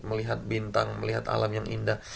melihat bintang melihat alam yang indah